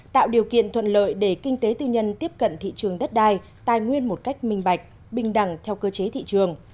tạo điều kiện thuận lợi để kinh tế tư nhân tiếp cận thị trường đất đai tài nguyên một cách minh bạch bình đẳng theo cơ chế thị trường